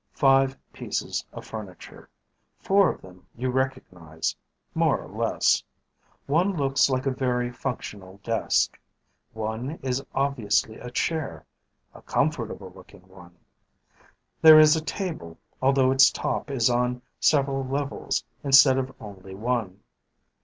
Five pieces of furniture. Four of them you recognize more or less. One looks like a very functional desk. One is obviously a chair ... a comfortable looking one. There is a table, although its top is on several levels instead of only one.